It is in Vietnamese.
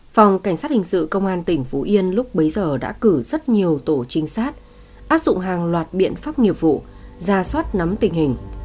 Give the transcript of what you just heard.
phòng cảnh sát hình sự công an tỉnh phú yên lúc bấy giờ đã cử rất nhiều tổ trinh sát áp dụng hàng loạt biện pháp nghiệp vụ ra soát nắm tình hình